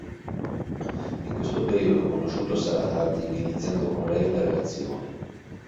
In questo periodo ha conosciuto Sarah Harding, iniziando con lei una relazione.